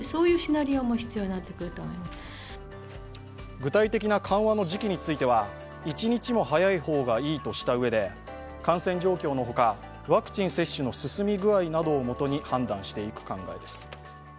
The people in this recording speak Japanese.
具体的な緩和の時期については一日も早い方がいいとしたうえで、感染状況の他、ワクチン接種の進み具合などをもとに判断していく考えです。